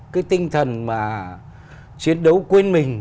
cái tinh thần mà chiến đấu quên mình